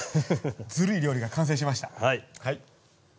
ずるい料理が完成しました。